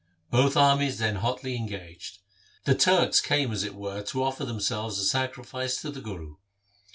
Both armies then again hotly engaged. The Turks came as it were to offer themselves as sacrifice to the Guru.